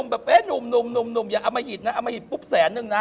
แบบว่านุ่มป๊ระหยิดปุ๊บแสนนึงน่ะ